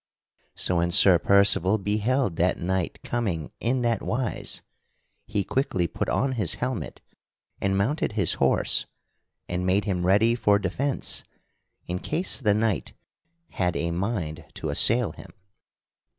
So when Sir Percival beheld that knight coming in that wise he quickly put on his helmet and mounted his horse and made him ready for defence in case the knight had a mind to assail him.